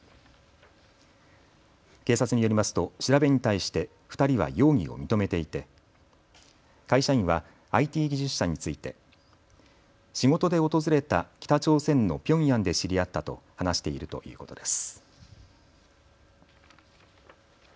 警察によりますと調べに対して２人は容疑を認めていて会社員はＩＴ技術者について仕事で訪れた北朝鮮のピョンヤンで知り合ったと話しているということです。